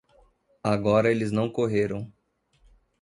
Agora eles não correram.